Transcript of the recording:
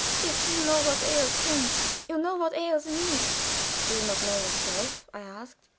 "If you know what ails him, you know what ails me." "Do you not know yourself?" I asked.